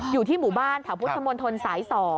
อยู่ที่หมู่บ้านแถวพุทธมนตรสาย๒